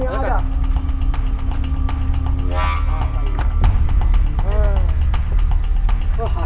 ibu luar sana semua makanan yang ada